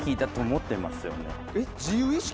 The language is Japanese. えっ自由意識？